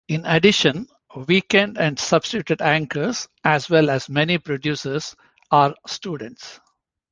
In addition, weekend and substitute anchors as well as many producers are students.